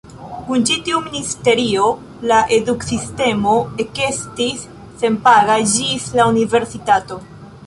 Kun ĉi tiu ministerio, la eduksistemo ekestis senpaga ĝis la Universitato.